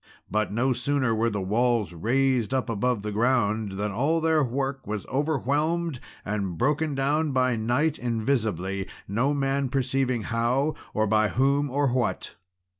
But no sooner were the walls raised up above the ground than all their work was overwhelmed and broken down by night invisibly, no man perceiving how, or by whom, or what.